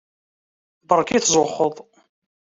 Beṛka i tzuxxeḍ.